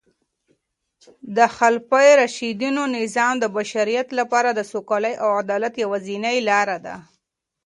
د خلفای راشدینو نظام د بشریت لپاره د سوکالۍ او عدالت یوازینۍ لاره ده.